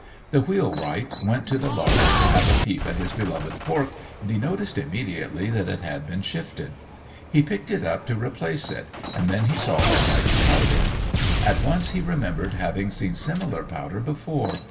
The wheelwright went to the larder to have a peep at his beloved pork, and he noticed immediately that it had been shifted. He picked it up to replace it, and then he saw the white powder. At once he remembered having seen similar powder before.